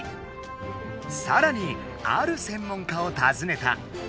さらにある専門家をたずねた。